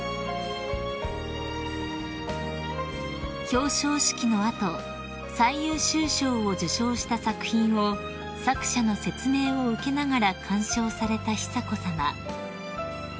［表彰式の後最優秀賞を受賞した作品を作者の説明を受けながら鑑賞された久子さま］